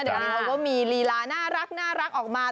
เดี๋ยวนี้เขาก็มีลีลาน่ารักออกมา